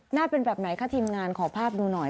หน้าเป็นแบบไหนคะทีมงานขอภาพดูหน่อย